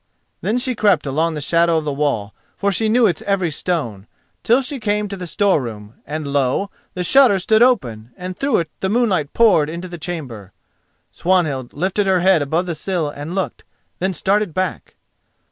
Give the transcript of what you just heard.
Then she crept along the shadow of the wall, for she knew it every stone, till she came to the store room, and lo! the shutter stood open, and through it the moonlight poured into the chamber. Swanhild lifted her head above the sill and looked, then started back.